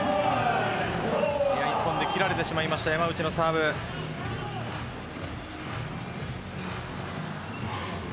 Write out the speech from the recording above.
１本で切られてしまいました山内のサーブです。